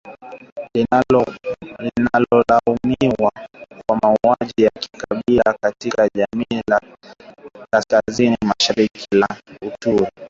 linalolaumiwa kwa mauaji ya kikabila katika jimbo la kaskazini-mashariki la Ituri